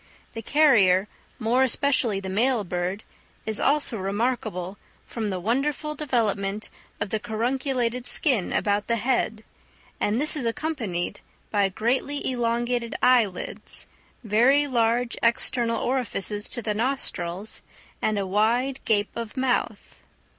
The carrier, more especially the male bird, is also remarkable from the wonderful development of the carunculated skin about the head, and this is accompanied by greatly elongated eyelids, very large external orifices to the nostrils, and a wide gape of mouth.